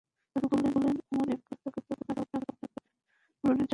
তাকে বলবে, Umar ibn Khattab এগুলো আপনাকে আপনার প্রয়োজন পূরণের জন্য দিয়েছেন।